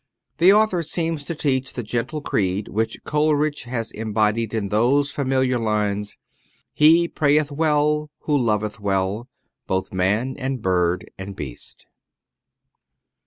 The author seems to teach the gentle creed which Coleridge has imbodied in those familiar lines, "He prayeth well who loveth well Both man, and bird, and beast."